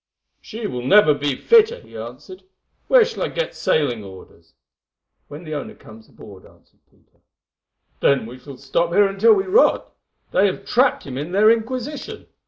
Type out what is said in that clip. "She will never be fitter," he answered. "When shall I get sailing orders?" "When the owner comes aboard," answered Peter. "Then we shall stop here until we rot; they have trapped him in their Inquisition.